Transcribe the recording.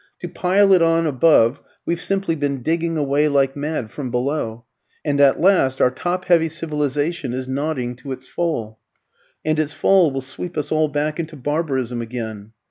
To pile it on above, we've simply been digging away like mad from below, and at last our top heavy civilisation is nodding to its fall; and its fall will sweep us all back into barbarism again.